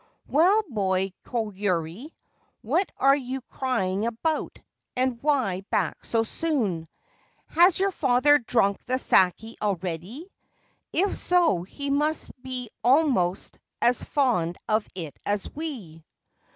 4 Well, boy Koyuri, what are you crying about, and why back so soon ? Has your father drunk the sake already ? If so he must be almost as fond of it as we.'